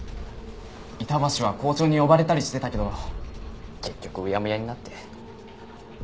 板橋は校長に呼ばれたりしてたけど結局うやむやになって。